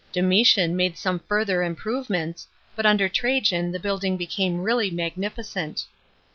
Domitian made some further improvements, but under Trajan the building berime really magnificent.